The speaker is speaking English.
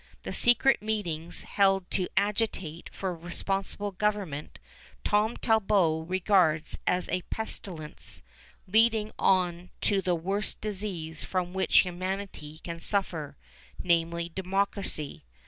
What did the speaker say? The secret meetings held to agitate for responsible government, Tom Talbot regards as "a pestilence" leading on to the worst disease from which humanity can suffer, namely, democracy.